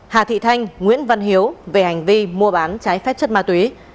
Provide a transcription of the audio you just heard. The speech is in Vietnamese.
hà thị thanh nguyễn văn hiếu về hành vi mua bán trái phép chất ma túy